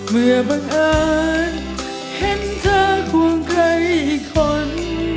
เมื่อบังเอิญเห็นเธอกว้างใกล้คน